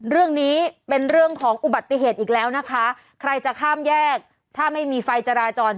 เรื่องนี้เป็นเรื่องของอุบัติเหตุอีกแล้วนะคะใครจะข้ามแยกถ้าไม่มีไฟจราจร